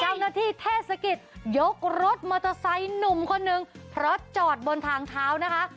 เจ้าหน้าที่เทศกิจยกรถมอเตอร์ไซค์หนุ่มคนนึงเพราะจอดบนทางเท้านะคะ